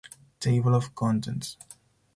Table of Contents.